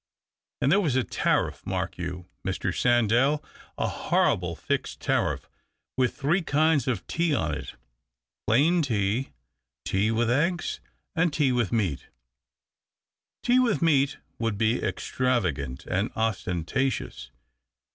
And there was a tariff, mark you, Mr. Sandell, a horrible fixed tariff with three kinds of tea on it — plain tea, tea with eggs, and tea with meat." " Tea with meat would be extravagant and ostentatious.